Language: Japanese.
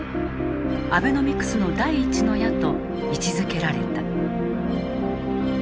アベノミクスの第１の矢と位置づけられた。